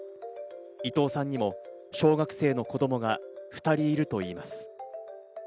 伊藤さんにも小学生の子供が２人いるといいます。